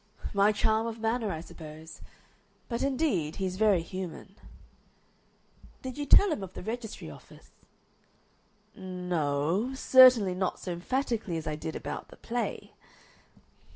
"My charm of manner, I suppose. But, indeed, he's very human." "Did you tell him of the registry office?" "No o certainly not so emphatically as I did about the play."